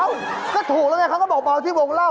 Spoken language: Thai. ก็ถูกแล้วไงเขาก็บอกเมาที่วงเล่า